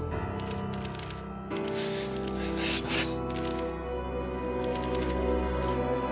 すいません。